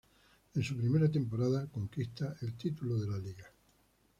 En su primera temporada conquista el título de Liga.